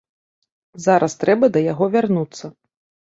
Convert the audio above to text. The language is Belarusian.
Зараз трэба да яго вярнуцца.